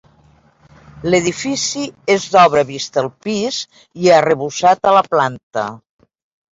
L'edifici és d'obra vista al pis i arrebossat a la planta.